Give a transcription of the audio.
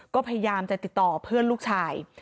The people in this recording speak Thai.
ก็พยายามจะติดต่อเพื่อนลูกชาย